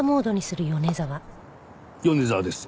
米沢です。